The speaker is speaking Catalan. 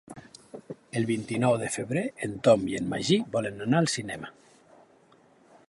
El vint-i-nou de febrer en Tom i en Magí volen anar al cinema.